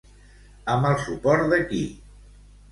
Amb el suport de qui?